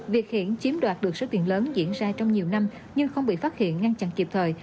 việc hiển chiếm đoạt được số tiền lớn diễn ra trong nhiều năm nhưng không bị phát hiện ngăn chặn kịp thời